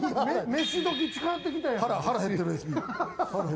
飯どき近寄ってきたやん。